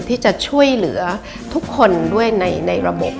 ที่จะช่วยเหลือทุกคนด้วยในระบบ